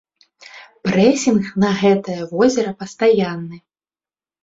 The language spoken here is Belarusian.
Прэсінг на гэтае возера пастаянны.